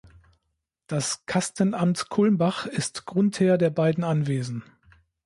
Das Kastenamt Kulmbach ist Grundherr der beiden Anwesen.